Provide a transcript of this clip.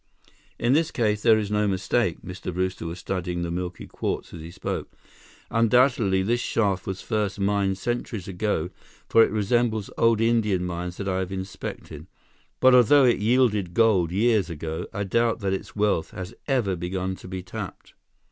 "In this case, there is no mistake." Mr. Brewster was studying the milky quartz as he spoke. "Undoubtedly, this shaft was first mined centuries ago, for it resembles old Indian mines that I have inspected. But although it yielded gold years ago, I doubt that its wealth has even begun to be tapped."